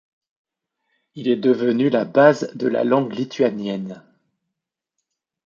Il est devenu la base de la langue lituanienne.